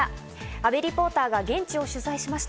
阿部リポーターが現地を取材しました。